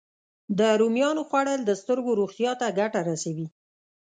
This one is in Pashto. د رومیانو خوړل د سترګو روغتیا ته ګټه رسوي